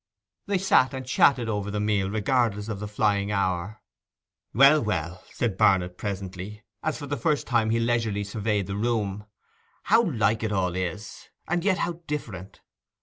They sat and chatted over the meal, regardless of the flying hour. 'Well, well!' said Barnet presently, as for the first time he leisurely surveyed the room; 'how like it all is, and yet how different!